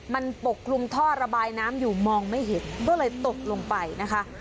มันปกคลุมท่อระบายน้ำอยู่มองไม่เห็นก็เลยตกลงไปนะคะ